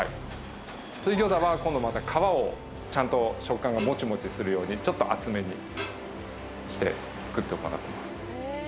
水餃子は今度はまた皮をちゃんと食感がモチモチするようにちょっと厚めにして作ってます。